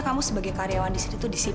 yaudah lain kali hati hati ya